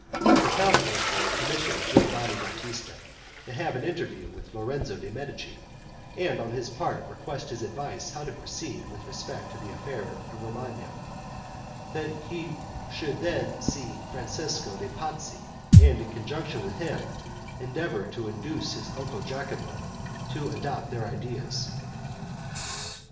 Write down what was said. The count therefore commissioned Giovanni Batista to have an interview with Lorenzo de' Medici, and on his part request his advice how to proceed with respect to the affair of Romagna; that he should then see Francesco de' Pazzi, and in conjunction with him endeavor to induce his uncle Jacopo to adopt their ideas.